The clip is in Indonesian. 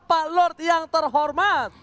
pak lord yang terhormat